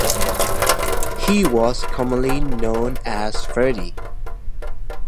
He was commonly known as Ferdy.